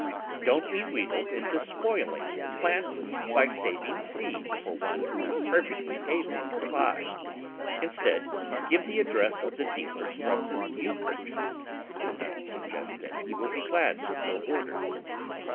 Don't be wheedled into spoiling your plants by saving seed for one who is perfectly able to buy; in stead, give the address of the dealer from whom you purchased, and suggest that he will be glad to fill orders.